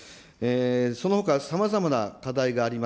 そのほか、さまざまな課題があります。